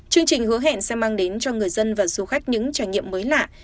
chương trình hứa hẹn sẽ mang đến cho người dân và du khách những trải nghiệm mới lạ